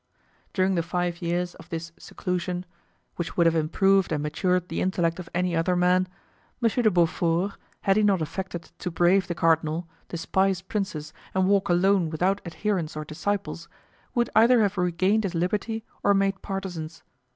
During the five years of this seclusion, which would have improved and matured the intellect of any other man, M. de Beaufort, had he not affected to brave the cardinal, despise princes, and walk alone without adherents or disciples, would either have regained his liberty or made partisans.